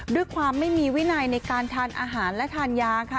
ด้วยความไม่มีวินัยในการทานอาหารและทานยาค่ะ